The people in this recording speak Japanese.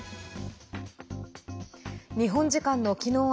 日本時間のきのう